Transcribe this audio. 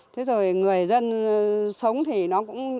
thế rồi người dân sống thì nó cũng